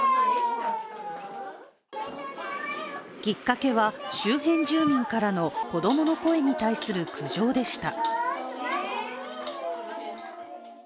きっかけは、周辺住民からの子供の声に対する苦情でした。